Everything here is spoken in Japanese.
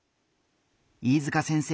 飯塚先生